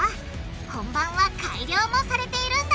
本番は改良もされているんだ！